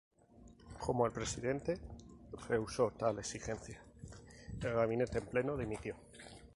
Como el presidente rehusó tal exigencia, el gabinete en pleno dimitió.